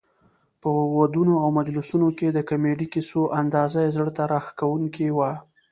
په ودونو او مجلسونو کې د کمیډي کیسو انداز یې زړه ته راښکوونکی وو.